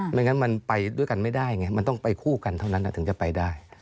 อย่างนั้นมันไปด้วยกันไม่ได้ไงมันต้องไปคู่กันเท่านั้นถึงจะไปได้